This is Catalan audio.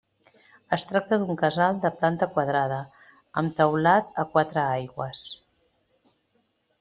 Es tracta d'un casal de planta quadrada amb teulat a quatre aigües.